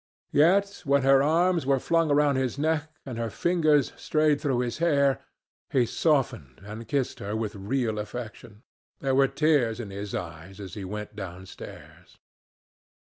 Yet, when her arms were flung round his neck, and her fingers strayed through his hair, he softened and kissed her with real affection. There were tears in his eyes as he went downstairs.